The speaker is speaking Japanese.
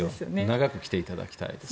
長く来ていただきたいです。